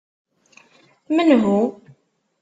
Menhu?